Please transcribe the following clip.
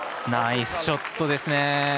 ナイスショットですね。